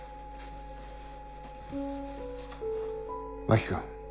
真木君